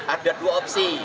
ada dua opsi